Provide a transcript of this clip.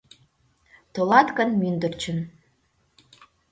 Толат гын мÿндырчын